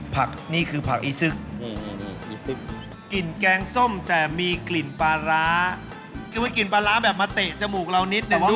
ผักนี่คือผักอิซึกกินแกงส้มแต่มีกลิ่นปาร้ากลิ่นปาร้าแบบมาเตะจมูกเรานิดหนึ่งด้วย